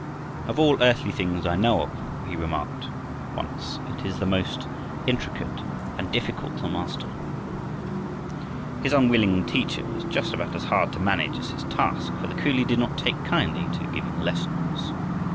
"Of all earthly things I know of," he remarked once, "it is the most intricate and difficult to master." His unwilling teacher was just about as hard to manage as his task, for the coolie did not take kindly to giving lessons.